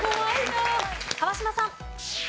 川島さん。